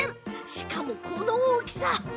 しかも、この大きさ。